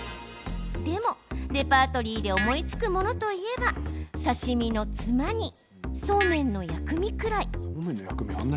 でも、レパートリーで思いつくものといえば刺身のつまにそうめんの薬味くらい。